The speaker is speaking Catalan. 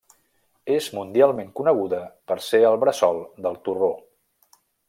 És mundialment coneguda per ser el bressol del torró.